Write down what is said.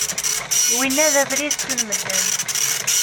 Winna d abrid ttun medden.